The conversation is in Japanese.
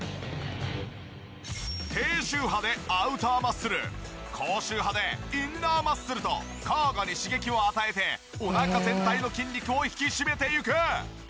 低周波でアウターマッスル高周波でインナーマッスルと交互に刺激を与えてお腹全体の筋肉を引き締めていく。